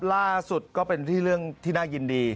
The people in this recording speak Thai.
ล่าสุดก็เป็นที่เรื่องที่น่ายินดี